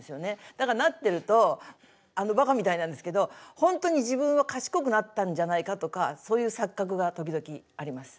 だからなってるとあのバカみたいなんですけど本当に自分は賢くなったんじゃないかとかそういう錯覚が時々あります。